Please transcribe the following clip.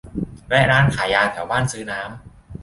แวะร้านขายยาแถวบ้านซื้อน้ำ